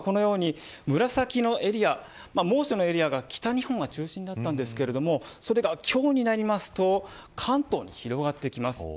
昨日はこのように紫のエリア、猛暑のエリアが北日本中心でしたがそれが今日になりますと関東に広がってきます。